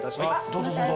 どうぞどうぞ。